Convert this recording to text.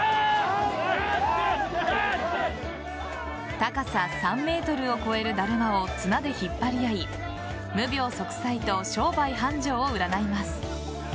高さ３ｍを越えるだるまを綱で引っ張り合い無病息災と商売繁盛を占います。